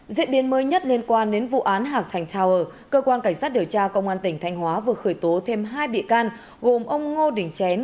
diễn biến mới nhất liên quan đến vụ án hạc thành tower cơ quan cảnh sát điều tra công an tỉnh thanh hóa vừa khởi tố thêm hai bị can gồm ông ngô đình chén